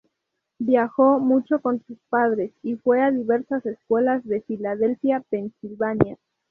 Viajó mucho con sus padres y fue a diversas escuelas de Filadelfia, Pensilvania.